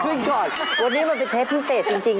ก่อนวันนี้มันเป็นเทปพิเศษจริง